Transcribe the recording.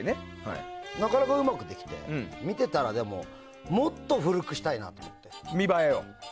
なかなかうまくできて、見てたらもっと古くしたいなと思って。